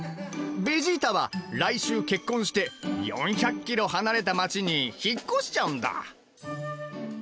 ベジータは来週結婚して４００ｋｍ離れた町に引っ越しちゃうんだ。